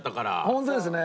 本当ですね。